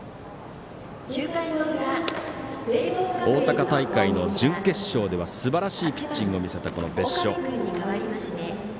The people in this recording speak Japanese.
大阪大会の準決勝ではすばらしいピッチングを見せた別所。